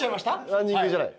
ランニングじゃない？